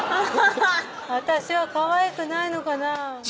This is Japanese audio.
「私はかわいくないのかな？」